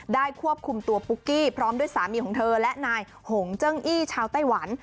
ควบคุมตัวปุ๊กกี้พร้อมด้วยสามีของเธอและนายหงเจิ้งอี้ชาวไต้หวัน